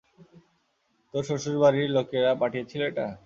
তোর শ্বশুরবাড়ির লোকেরা পাঠিয়েছিল এটা।